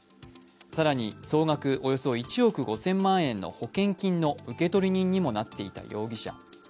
更に、総額およそ１億５０００万円の保険金の受取人にもなっていた容疑者。